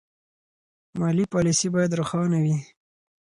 مالي پالیسي باید روښانه وي.